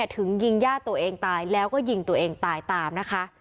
ถึงยิงญาติตัวเองตายแล้วก็ยิงตัวเองตายตามนะคะ